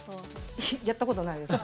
やったことないです。